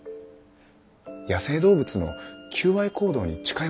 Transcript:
野生動物の求愛行動に近いものがあると思います。